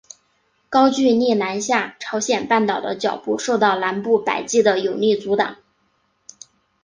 高句丽南下朝鲜半岛的脚步受到南部百济的有力阻挡。